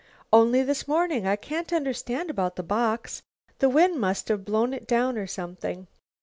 "Only this morning. I can't understand about the box. The wind must have blown it down, or something."